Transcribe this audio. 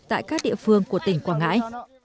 tại các địa phương của tỉnh quảng ngãi